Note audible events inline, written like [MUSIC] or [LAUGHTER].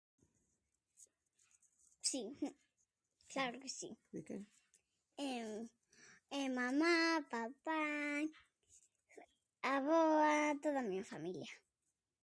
Si, claro que si. [HESITATION] Mamá, papá, avoa, toda a miña familia.